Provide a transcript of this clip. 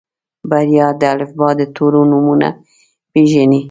بريا د الفبا د تورو نومونه پېژني.